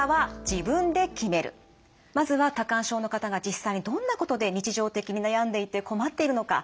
まずは多汗症の方が実際にどんなことで日常的に悩んでいて困っているのか。